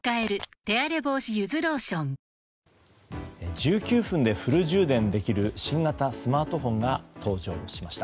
１９分でフル充電できる新型スマートフォンが登場しました。